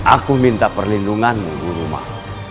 aku minta perlindunganmu guru mah